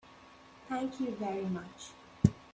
Thank you very much.